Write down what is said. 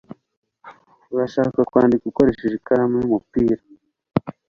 Urashaka kwandika ukoresheje ikaramu y'umupira?